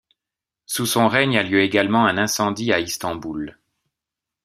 Sous son règne a lieu également un incendie à Istanbul.